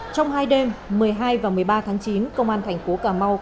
trong hai đêm một mươi hai và một mươi ba tháng chín công an thành phố cà mau